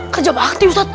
kerja bakti ustad